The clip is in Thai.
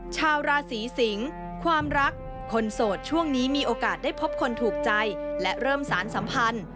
ชาวราศีสิงความรักคนโสดช่วงนี้มีโอกาสได้พบคนถูกใจและเริ่มสารสัมพันธ์